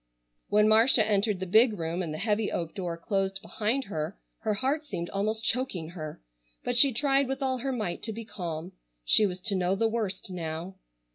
When Marcia entered the big room and the heavy oak door closed behind her her heart seemed almost choking her, but she tried with all her might to be calm. She was to know the worst now.